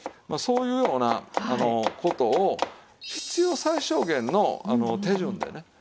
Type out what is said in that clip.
まあそういうような事を必要最小限の手順でね